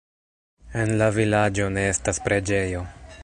En la vilaĝo ne estas preĝejo.